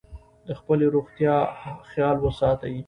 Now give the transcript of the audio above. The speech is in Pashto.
د خپلې روغتیا خیال ساتئ.